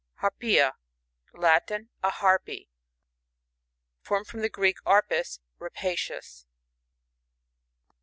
Harptia4— Latin. A harpy. (Formed from the Greek, arpax, rapacious.)